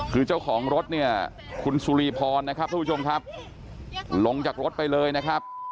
คือเจ้าของรถเนี่ยคุณสุรีพรนะครับทุกผู้ชมครับลงจากรถไปเลยนะครับ